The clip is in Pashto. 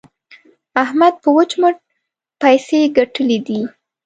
احمد په وچ مټ پيسې ګټلې دي.